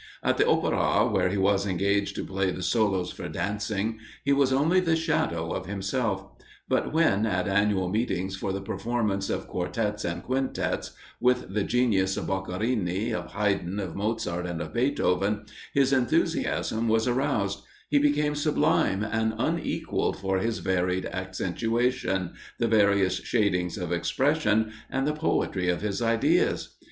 At the Opera, where he was engaged to play the solos for dancing, he was only the shadow of himself; but when at annual meetings for the performance of quartetts and quintetts, with the genius of Boccherini, of Haydn, of Mozart, and of Beethoven, his enthusiasm was aroused; he became sublime and unequalled for his varied accentuation, the various shadings of expression, and the poetry of his ideas.